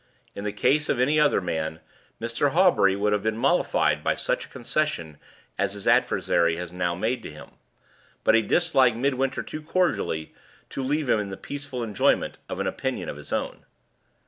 In the case of any other man, Mr. Hawbury would have been mollified by such a concession as his adversary had now made to him; but he disliked Midwinter too cordially to leave him in the peaceable enjoyment of an opinion of his own.